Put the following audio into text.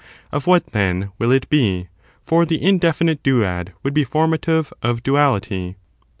Of what^^ then, will it be? for the indefinite duad would be formative of duality.